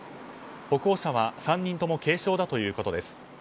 歩行者は３人とも軽傷だということです。